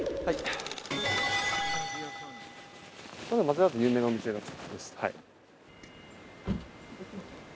はい。